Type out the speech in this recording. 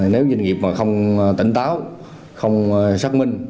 nếu doanh nghiệp không tỉnh táo không xác minh